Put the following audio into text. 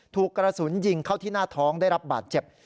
ถูกกระสุนยิงเข้าที่หน้าท้องได้รับบาดเจ็บ